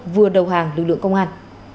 vừa đầu hàng lực lượng công an